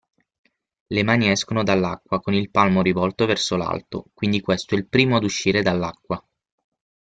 Le mani escono dall'acqua con il palmo rivolto verso l'alto, quindi questo è il primo ad uscire dall'acqua.